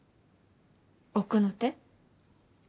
奥の手？